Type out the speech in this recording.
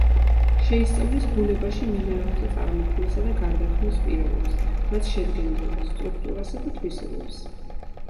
შეისწავლის ბუნებაში მინერალთა წარმოქმნისა და გარდაქმნის პირობებს, მათ შედგენილობას, სტრუქტურასა და თვისებებს.